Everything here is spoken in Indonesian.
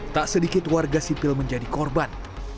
tak sedikit warga sipil menjadi korban